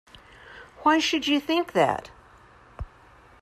Why should you think that?